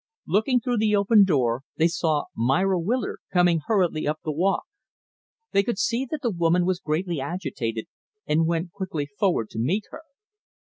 Looking through the open door, they saw Myra Willard coming hurriedly up the walk. They could see that the woman was greatly agitated, and went quicklv forward to meet her.